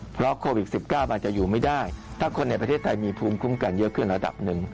เพราะโควิด๑๙มันอาจจะอยู่ไม่ได้ถ้าคนในประเทศไทยมีภูมิคุ้มกันเยอะขึ้นระดับหนึ่ง